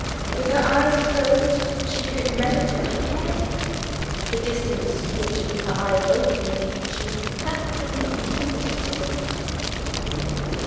With her eyes closed, she could measure to a hair's breadth the distance which, with her eyes opened, she was perfectly incompetent to calculate!